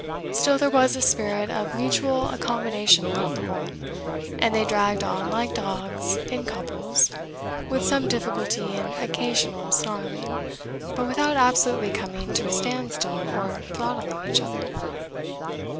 Still there was a spirit of mutual accommodation upon the whole, and they dragged on like dogs in couples, with some difficulty and occasional snarling, but without absolutely coming to a stand still or throttling each other.